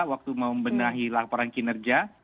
waktu membenahi laporan kinerja